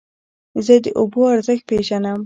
زه د اوبو ارزښت پېژنم.